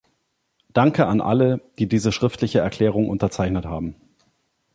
Danke an alle, die diese schriftliche Erklärung unterzeichnet haben.